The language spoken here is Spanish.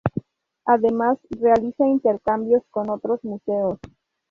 Además realiza intercambios con otros museos.